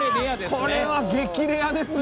これはレアですね。